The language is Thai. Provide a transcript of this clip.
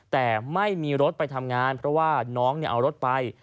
แต่ไม่มีรถไปทำงานเพราะว่าน้องเอารถไป